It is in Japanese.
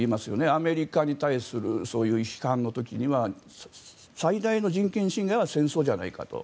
アメリカに対するそういう批判の時には最大の人権侵害は戦争じゃないかとか。